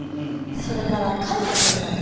それから「貝のペン立て」。